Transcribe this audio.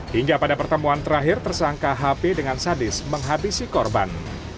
hingga pada pertemuan terakhir tersangka hp dengan sadis menghabisi korban